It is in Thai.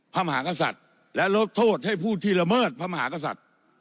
มหากษัตริย์และลดโทษให้ผู้ที่ละเมิดพระมหากษัตริย์